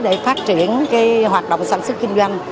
để phát triển cái hoạt động sản xuất kinh doanh